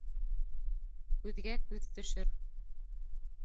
Күҙгә күҙ төшөр